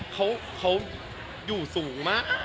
เขาอยู่สูงมาก